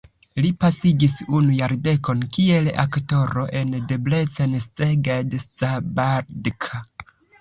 Li pasigis unu jardekon kiel aktoro en Debrecen, Szeged, Szabadka.